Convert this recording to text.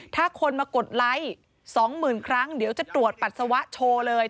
ถ้าคนมากดไลค์๒๐๐๐ครั้งเดี๋ยวจะตรวจปัสสาวะโชว์เลย